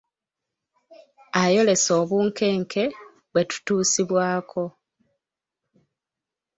Ayolese obunkenke bwe tutuusibwako